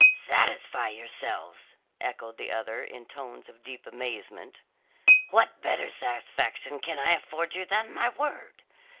"Satisfy yourselves?" echoed the other, in tones of deep amazement. "What better satisfaction can I afford you than my word?